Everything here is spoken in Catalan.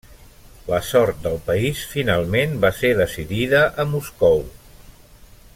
La sort del país finalment va ser decidida a Moscou.